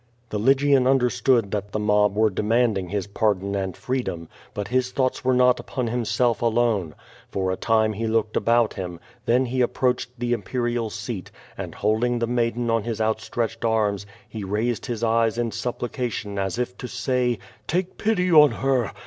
The Lygian understood that the mob were demanding his pardon and freedom, but his thoughts were not upon himself alone. For a time he looked about him, then he approached the imperial seat, and, holding the maiden on his outstretched arms, he raised his eyes in supplication, as if to say: ''Take pity on her!